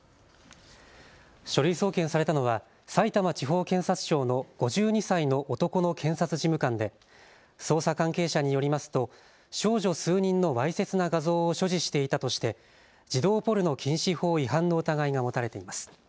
書類送検されたのはさいたま地方検察庁の５２歳の男の検察事務官で捜査関係者によりますと少女数人のわいせつな画像を所持していたとして児童ポルノ禁止法違反の疑いが持たれています。